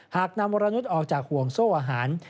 หากนำวรนุษย์ออกจากห่วงโซ่อาหาร